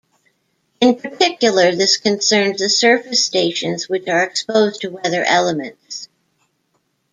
In particular, this concerns the surface stations which are exposed to weather elements.